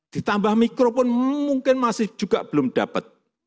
ditambah mikro pun mungkin masih juga belum dapat